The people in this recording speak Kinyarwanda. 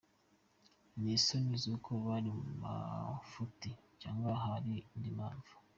Ni isoni z’uko bari mu mafuti cyangwa hari indi mpamvu?